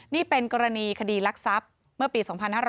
นี่เป็นกรณีคดีรักทรัพย์เมื่อปี๒๕๕๙